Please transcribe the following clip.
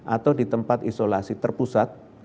atau di tempat isolasi terpusat